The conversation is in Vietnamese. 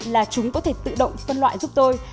là chúng có thể tự động phân loại giúp tôi